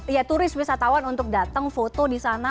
ya turis wisatawan untuk datang foto disana